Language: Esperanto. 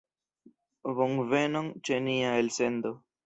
Bonvenon ĉe nia elsendo.